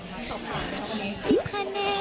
๑๐คะแนน